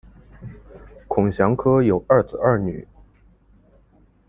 孔祥柯有二子二女